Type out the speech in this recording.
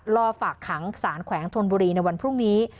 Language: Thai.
รอฝากขังสารแขวงธนบุรีในวันพรุ่งนี้